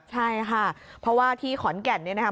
ใช่ค่ะเพราะว่าที่ขอนแก่นเนี่ยนะคะ